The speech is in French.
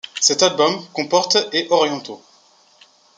Cet album comporte et orientaux.